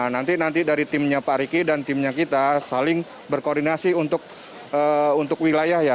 nanti nanti dari timnya pak riki dan timnya kita saling berkoordinasi untuk wilayah ya